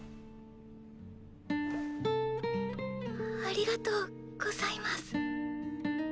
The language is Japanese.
ありがとうございます。